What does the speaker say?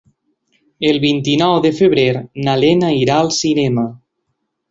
El vint-i-nou de febrer na Lena irà al cinema.